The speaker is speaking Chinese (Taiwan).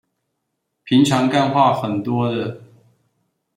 平常幹話很多的